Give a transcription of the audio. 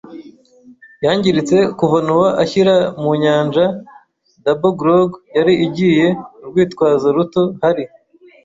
yangiritse kuva Nowa ashyira mu nyanja. Double grog yari igiye urwitwazo ruto; hari